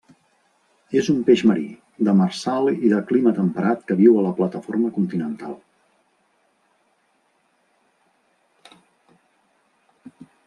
És un peix marí, demersal i de clima temperat que viu a la plataforma continental.